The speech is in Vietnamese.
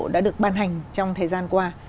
đã được ban hành trong thời gian qua